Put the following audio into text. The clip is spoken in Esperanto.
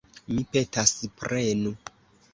Mi petas, prenu!